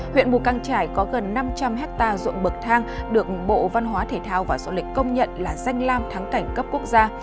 huyện mù căng trải có gần năm trăm linh hectare ruộng bậc thang được bộ văn hóa thể thao và sộ lịch công nhận là danh lam thắng cảnh cấp quốc gia